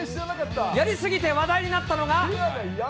やりすぎて話題になったのが。